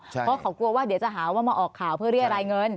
เพราะเขากลัวว่าเดี๋ยวจะหาว่ามาออกข่าวเพื่อเรียกรายเงิน